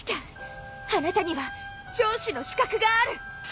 あなたには城主の資格がある。